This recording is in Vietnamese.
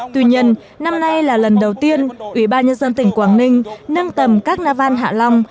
tuy nhiên năm nay là lần đầu tiên ủy ban nhân dân tỉnh quảng ninh nâng tầm carnival hạ long